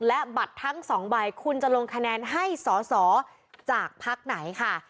และบัตรทั้ง๒ใบคุณจะลงคะแนนให้สอสอจากภักดิ์ไหนค่ะ